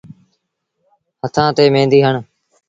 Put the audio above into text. هٿآن ٿي ميݩدي هڻ۔